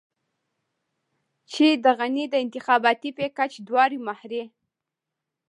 چې د غني د انتخاباتي پېکج دواړې مهرې.